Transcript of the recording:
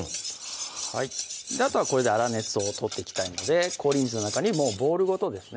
はいあとはこれで粗熱を取っていきたいので氷水の中にもうボウルごとですね